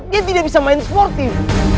dia tidak bisa main sportif